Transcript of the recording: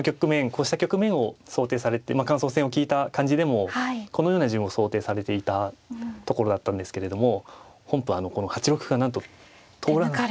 こうした局面を想定されてまあ感想戦を聞いた感じでもこのような順を想定されていたところだったんですけれども本譜はこの８六歩がなんと通らなかった。